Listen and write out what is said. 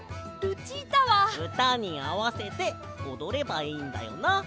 うたにあわせておどればいいんだよな？